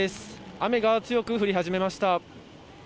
雨が強く降り始めました。